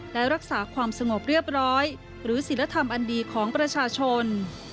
และรักษาความสงบเรียบร้อยหรือศิลธรรมอันดีของประชาชน